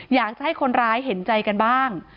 อยากจะให้คนร้ายเห็นใจกันบ้าง